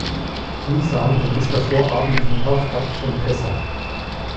Nisan und ist der Vorabend und Auftakt von Pessach.